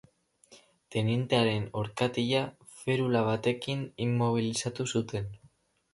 Tenientearen orkatila ferula batekin immobilizatu zuten.